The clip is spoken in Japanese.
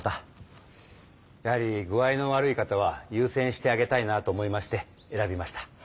やはり具合の悪い方はゆうせんしてあげたいなと思いまして選びました。